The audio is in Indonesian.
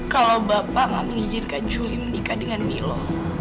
kalau bapak nggak mengizinkan juli menikah dengan milo